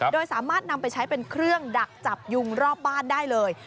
โดยสามารถนำไปใช้เป็นเครื่องดักจับยุงรอบบ้านได้เลย